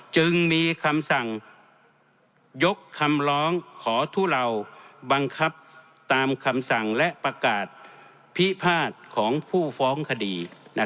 จึงมีคำสั่งยกคำร้องขอทุเลาบังคับตามคำสั่งและประกาศพิพาทของผู้ฟ้องคดี